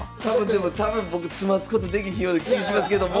でも多分僕詰ますことできひんような気いしますけども。